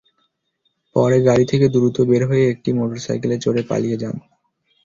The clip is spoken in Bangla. পরে গাড়ি থেকে দ্রুত বের হয়ে একটি মোটরসাইকেলে চড়ে পালিয়ে যান।